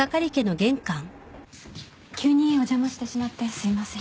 急にお邪魔してしまってすいません。